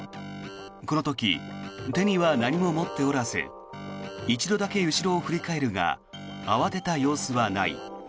この時、手には何も持っておらず１度だけ後ろを振り返るが慌てた様子はない。